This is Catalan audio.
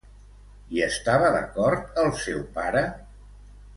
Hi estava d'acord el seu pare?